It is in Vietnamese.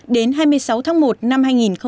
đến hai mươi sáu tháng một năm hai nghìn một mươi bảy